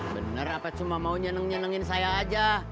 bener apa cuma mau nyeneng nyenengin saya aja